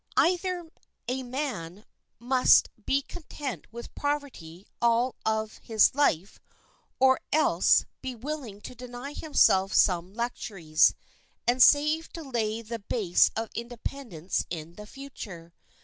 Either a man must be content with poverty all his life, or else be willing to deny himself some luxuries, and save to lay the base of independence in the future.